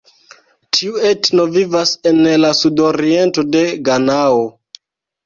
Tiu etno vivas en la sudoriento de Ganao.